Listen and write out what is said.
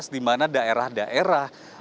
di mana daerah daerah